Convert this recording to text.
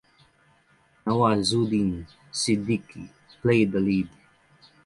Nawazuddin Siddiqui played the lead.